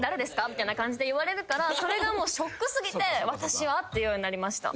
みたいな感じで言われるからそれがもうショック過ぎて「私は」って言うようになりました。